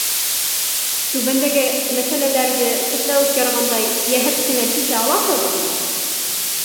Түбәндәге мәсьәләләрҙе сәтләүек ярғандай йәһәт кенә сисә алаһығыҙмы?